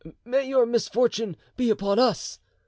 "May your misfortune be upon us!"